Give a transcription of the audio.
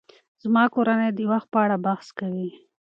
زما کورنۍ د وخت په اړه بحث کوي.